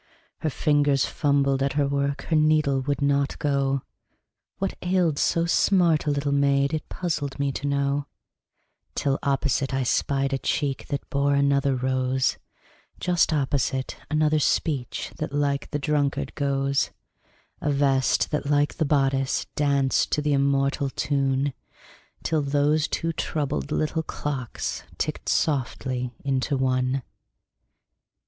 Her fingers fumbled at her work, Her needle would not go; What ailed so smart a little maid It puzzled me to know, Till opposite I spied a cheek That bore another rose; Just opposite, another speech That like the drunkard goes; A vest that, like the bodice, danced To the immortal tune, Till those two troubled little clocks Ticked softly into one.